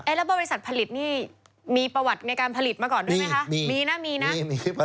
แล้วบริษัทผลิตนี่มีประวัติในการผลิตมาก่อนด้วยไหมคะมีนะมีนะ